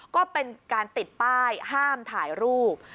ก็เป็นการติดป้ายห้ามถ่ายรูป